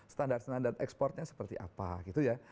standar standar ekspornya seperti apa gitu ya